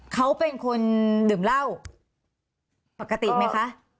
เขาเป็นคนดื่มเหล้าปกติไหมคะ